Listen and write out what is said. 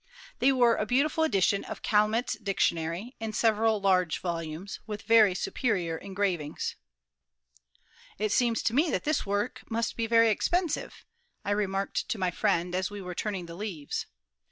They were a beautiful edition of Calmet's Dictionary, in several large volumes, with very superior engravings. "It seems to me that this work must be very expensive," I remarked to my friend, as we were turning the leaves.